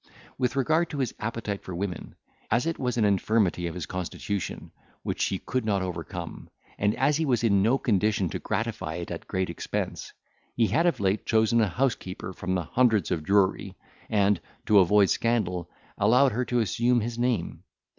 With regard to his appetite for women, as it was an infirmity of his constitution, which he could not overcome, and as he was in no condition to gratify it at a great expense, he had of late chosen a housekeeper from the hundreds of Drury, and, to avoid scandal, allowed her to assume his name.